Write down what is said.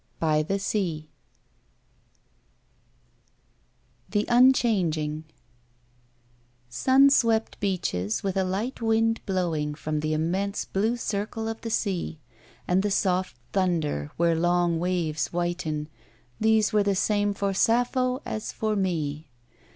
By the Sea IX The Unchanging Sun swept beaches with a light wind blowing From the immense blue circle of the sea, And the soft thunder where long waves whiten These were the same for Sappho as for me.